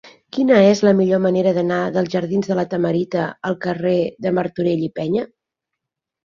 Quina és la millor manera d'anar dels jardins de La Tamarita al carrer de Martorell i Peña?